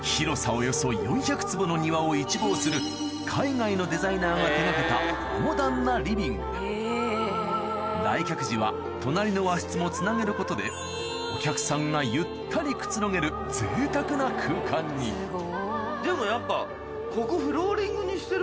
およそ４００坪の庭を一望する来客時は隣の和室もつなげることでお客さんがゆったりくつろげるぜいたくな空間にでもやっぱここ。